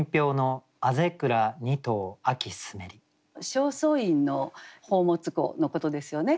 正倉院の宝物庫のことですよね。